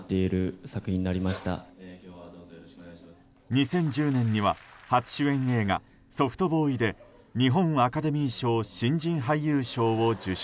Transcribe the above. ２０１０年には初主演映画「ソフトボーイ」で日本アカデミー賞新人俳優賞を受賞。